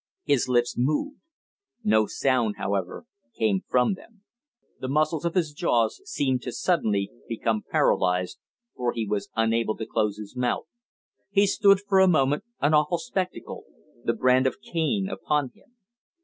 His lips moved. No sound, however, came from them. The muscles of his jaws seemed to suddenly become paralysed, for he was unable to close his mouth. He stood for a moment, an awful spectacle, the brand of Cain upon him.